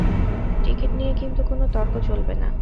Ticket নিয়ে কিন্তু কোন তর্ক চলবে না।